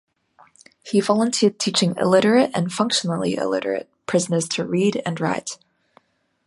He volunteered teaching illiterate and functionally illiterate prisoners to read and write.